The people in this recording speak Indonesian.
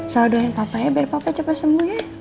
saya doain papa ya biar papa cepat sembuh ya